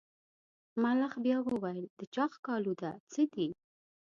ملخ بیا وویل د چا ښکالو ده څه دي.